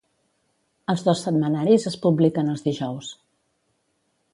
Els dos setmanaris es publiquen els dijous.